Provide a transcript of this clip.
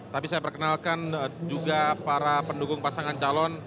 tapi saya perkenalkan juga para pendukung pasangan calon